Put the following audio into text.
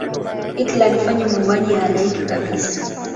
hitler alifanya mauaji ya halaiki kabisa